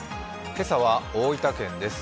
今朝は大分県です。